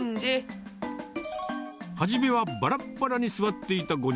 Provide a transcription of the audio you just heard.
初めはばらっばらに座っていた５人。